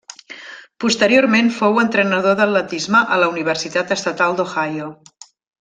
Posteriorment fou entrenador d'atletisme a la Universitat Estatal d'Ohio.